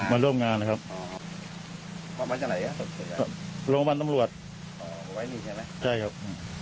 มาร่วมงานว่าไหนล่ะศพเฉพาะ